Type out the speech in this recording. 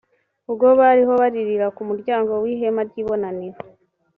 ubwo bariho baririra ku muryango w’ihema ry’ibonaniro.